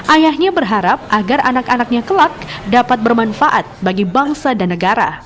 ayahnya berharap agar anak anaknya kelak dapat bermanfaat bagi bangsa dan negara